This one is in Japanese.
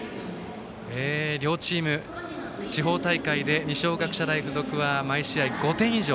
両チーム、地方大会で二松学舎大付属は毎試合５点以上。